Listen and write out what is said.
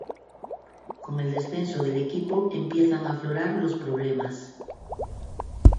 Con el descenso del equipo empiezan a aflorar los problemas.